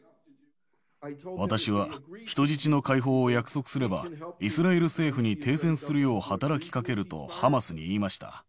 私は人質の解放を約束すれば、イスラエル政府に停戦するよう働きかけるとハマスに言いました。